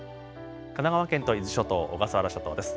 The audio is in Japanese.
神奈川県と伊豆諸島、小笠原諸島です。